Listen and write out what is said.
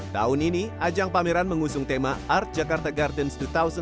tahun ini ajang pameran mengusung tema art jakarta gardens dua ribu dua puluh dua